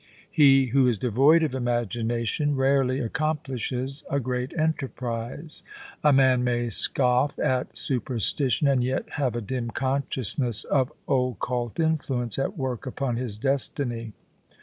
He who is devoid of imagination rarely accomplishes a great enterprise. A man may scoff at superstition and yet have a dim consciousness of occult influence at work upon his destiny.